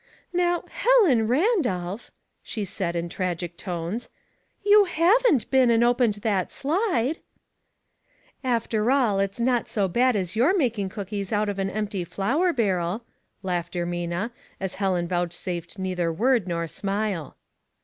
*' Now, Helen Randolph !" she said, in tragic tones, ''you haven t been and opened that slide !" "After all, it's not so bad as your making cookies out of an empty flour barrel," laughed Ermina, as Helen vouchsafed neither word nor smile.